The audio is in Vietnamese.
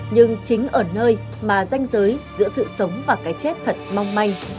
nhưng chính ở nơi mà danh giới giữa sự sống và cái chết thật mong manh